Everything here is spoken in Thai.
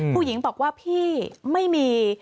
ผู้หญิงบอกว่าพี่ไม่มี